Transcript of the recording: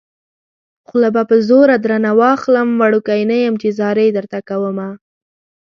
خوله به په زوره درنه واخلم وړوکی نه يم چې ځاري درته کومه